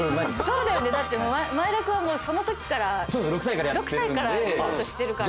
そうだよねだって前田君はその時から６歳から仕事してるから。